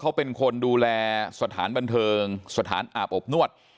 เขาเป็นคนดูแลสถานบันเทิงสถานอาบอบนวด